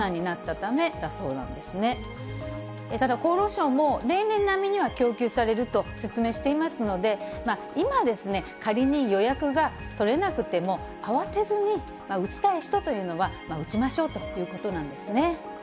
ただ、厚労省も例年並みには供給されると説明していますので、今、仮に予約が取れなくても、慌てずに、打ちたい人というのは、打ちましょうということなんですね。